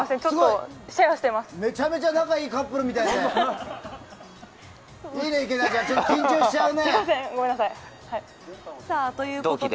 めちゃめちゃ仲いいカップルみたいで。